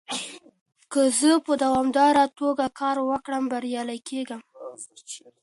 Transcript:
که زه په دوامداره توګه کار وکړم، بريالی کېږم.